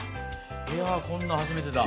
やこんなん初めてだ。